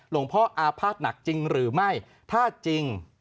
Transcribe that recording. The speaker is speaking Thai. หลวงพ่ออาภาษณ์หนักจริงหรือไม่